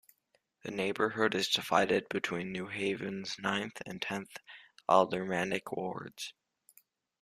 The neighborhood is divided between New Haven's ninth and tenth aldermanic wards.